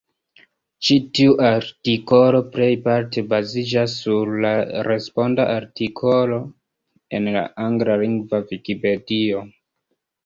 Ĉi tiu artikolo plejparte baziĝas sur la responda artikolo en la anglalingva Vikipedio.